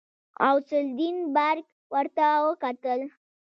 غوث الدين برګ ورته وکتل.